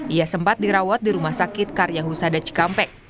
ia sempat dirawat di rumah sakit karya husada cikampek